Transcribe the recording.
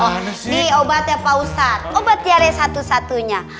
nih obat ya pak ustadz obat diare satu satunya